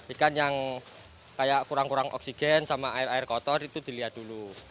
ikan yang kayak kurang kurang oksigen sama air air kotor itu dilihat dulu